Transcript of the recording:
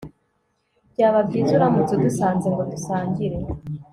Byaba byiza uramutse udusanze ngo dusangire